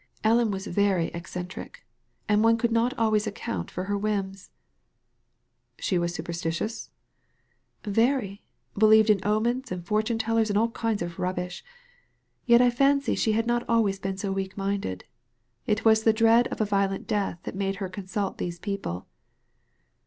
"Ellen was very eccentric, and one could not always account for her whims." " She was superstitious ?" "Very! Believed in omens and fortune tellers and all kinds of rubbish. Yet I fancy she had not always been so weak minded. It was the dread of a violent death that made her consult these people."